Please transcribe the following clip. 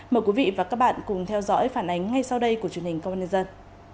mời quý vị và các bạn cùng theo dõi phản ánh ngay sau đây của truyền hình công an nhân dân